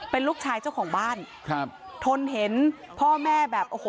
เป็นลูกชายเจ้าของบ้านครับทนเห็นพ่อแม่แบบโอ้โห